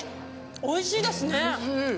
おいしいですね。